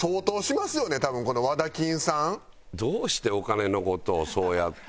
どうしてお金の事をそうやって。